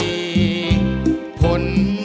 ไม่ใช้